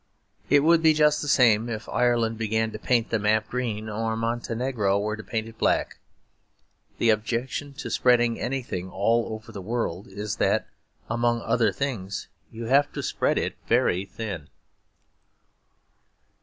It would be just the same if Ireland began to paint the map green or Montenegro were to paint it black. The objection to spreading anything all over the world is that, among other things, you have to spread it very thin.